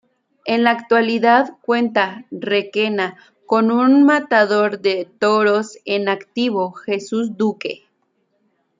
En la actualidad, cuenta Requena, con un matador de toros en activo: Jesús Duque.